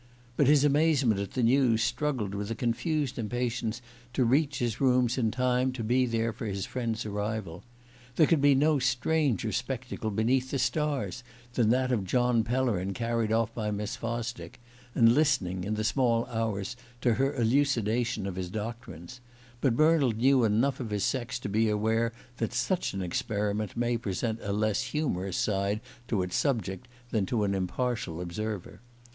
But his amazement at the news struggled with a confused impatience to reach his rooms in time to be there for his friend's arrival. There could be no stranger spectacle beneath the stars than that of John Pellerin carried off by Miss Fosdick, and listening, in the small hours, to her elucidation of his doctrines; but Bernald knew enough of his sex to be aware that such an experiment may present a less humorous side to its subject than to an impartial observer.